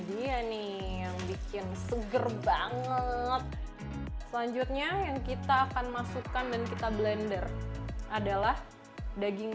dia nih yang bikin seger banget selanjutnya yang kita akan masukkan dan kita blender adalah daging